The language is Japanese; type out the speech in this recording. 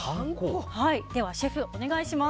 ではシェフ、お願いします。